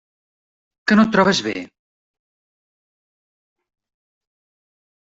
Que no et trobes bé?